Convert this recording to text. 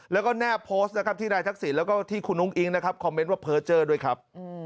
แล้วก็แนบโพสต์นะครับที่นายทักษิณแล้วก็ที่คุณอุ้งอิ๊งนะครับคอมเมนต์ว่าเพอร์เจอร์ด้วยครับ